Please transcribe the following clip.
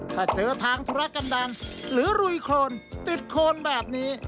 ถ้าเจอทางพระกันดันหรือลุยโครนติดโครนแบบนี้